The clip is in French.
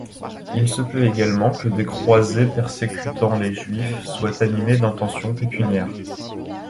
Il se peut également que des croisés persécutant les Juifs soient animés d’intentions pécuniaires.